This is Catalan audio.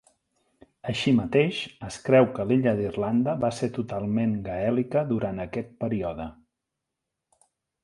Així mateix, es creu que l'illa d'Irlanda va ser totalment gaèlica durant aquest període.